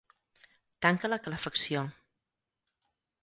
Tanca la calefacció.